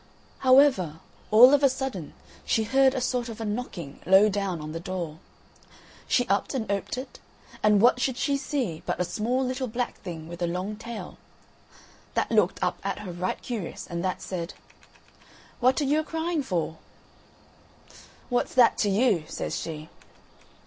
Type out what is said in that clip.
However, all of a sudden she heard a sort of a knocking low down on the door. She upped and oped it, and what should she see but a small little black thing with a long tail. That looked up at her right curious, and that said: "What are you a crying for?" "What's that to you?" says she.